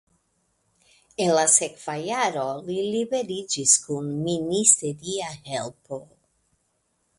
En la sekva jaro li liberiĝis kun ministeria helpo.